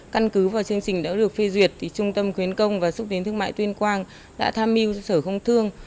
căn cứ vào chương trình đã được phê duyệt trung tâm khuyến công và xúc tiến thương mại tuyên quang đã tham mưu sở công thương